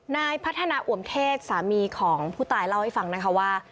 นายพัฒนาอวมเทศสามีของผู้ตายเล่าให้ฟังนะคะว่า